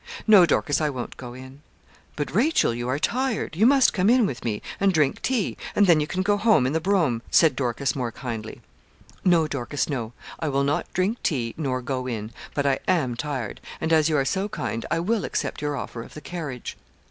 'No, Dorcas, I won't go in.' 'But, Rachel, you are tired; you must come in with me, and drink tea, and then you can go home in the brougham,' said Dorcas, more kindly. 'No, Dorcas, no; I will not drink tea nor go in; but I am tired, and as you are so kind, I will accept your offer of the carriage.'